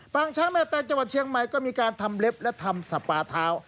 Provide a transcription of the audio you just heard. งช้างแม่แตงจังหวัดเชียงใหม่ก็มีการทำเล็บและทำสปาเท้า